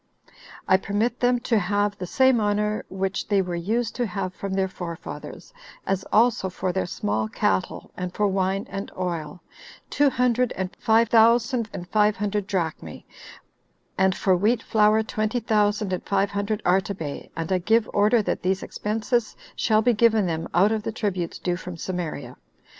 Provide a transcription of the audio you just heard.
3 I permit them to have the same honor which they were used to have from their forefathers, as also for their small cattle, and for wine and oil, two hundred and five thousand and five hundred drachmae; and for wheat flour, twenty thousand and five hundred artabae; and I give order that these expenses shall be given them out of the tributes due from Samaria.